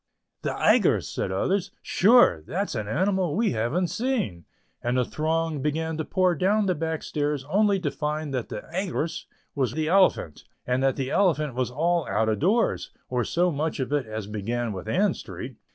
"The Aigress," said others, "sure: that's an animal we haven't seen," and the throng began to pour down the back stairs only to find that the "Aigress" was the elephant, and that the elephant was all out o' doors, or so much of it as began with Ann Street.